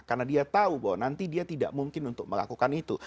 karena dia tahu bahwa nanti dia tidak mungkin untuk melakukan itu